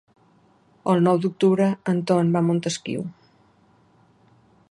El nou d'octubre en Ton va a Montesquiu.